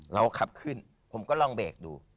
เราขับขึ้นผมก็ลองเบรกดู